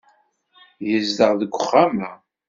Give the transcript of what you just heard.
Yezdeɣ deg uxxam-a.